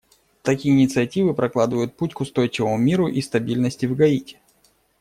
Такие инициативы прокладывают путь к устойчивому миру и стабильности в Гаити.